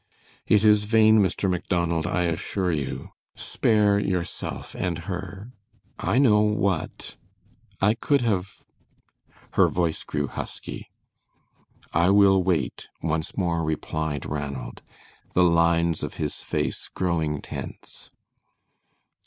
"It is vain, Mr. Macdonald, I assure you. Spare yourself and her. I know what I could have " Her voice grew husky. "I will wait," once more replied Ranald, the lines of his face growing tense.